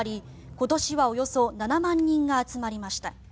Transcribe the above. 今年はおよそ７万人が集まりました。